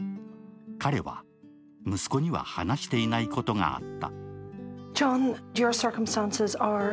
彼は息子には話していないことがあった。